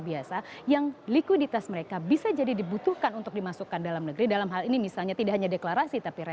berita terkini dari dpr